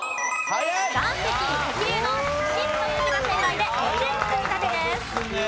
岩石石油の「石」という字が正解で２点積み立てです。